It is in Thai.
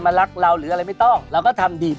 วิธีการง่ายที่สุดเลยก็คือ